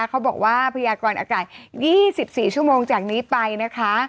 เขาบอกว่าพยากรอากาศ๒๔ชั่วโมงจากนี้ไปนะคะ